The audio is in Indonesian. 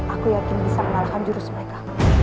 aku yakin bisa mengalahkan jurus mereka